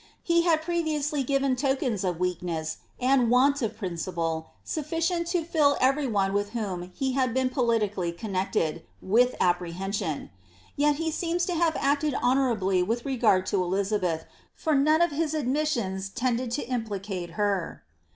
He had previously given tokens of weakness and want of principle sufficient to fill every one with whom he had been politically connected, with appre hension. Yet he seems to have acted honourably with regard to Eli sabeth, for none of his admissions tended to implicate her.